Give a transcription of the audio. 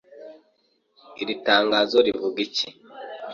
Iri tangazo rivuga iki